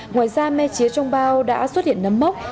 ngoài ra me chía trong bao đã xuất hiện năm mốc